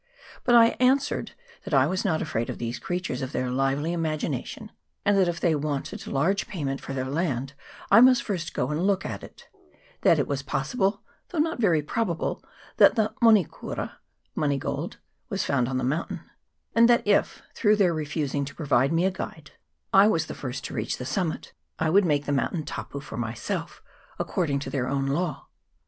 141 But I answered that I was not afraid of these crea tions of their lively imagination, and that if they wanted large payment for their land I must first go and look at it; that it was possible though not very probable that the monikoura (money gold) was found on the mountain, and that if, through their refusing to provide me a guide, I was the first to reach the summit, I would make the mountain " tapu " for myself, according to their own law.